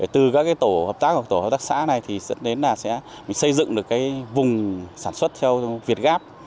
từ các cái tổ hợp tác hoặc tổ hợp tác xã này thì dẫn đến là sẽ xây dựng được cái vùng sản xuất cho việt gáp